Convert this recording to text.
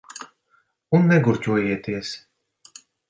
Un negurķojieties.